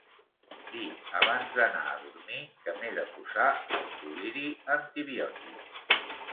Dir abans d'anar a dormir que m'he de posar el col·liri antibiòtic.